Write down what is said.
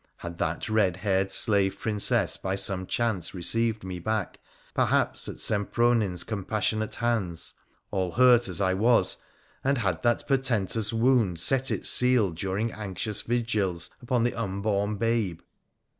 Had that red haired slave princess by some chance received me back — perhaps at Sempronius's compassionate hands — all hurt as I was, and had that portentous wound set its seal during anxious vigils upon the unborn babe